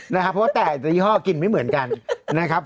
นะครับเพราะแต่ยี่ห้อกลิ่นไม่เหมือนกัน